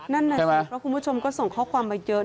นั่นแหละสิเพราะคุณผู้ชมก็ส่งข้อความมาเยอะ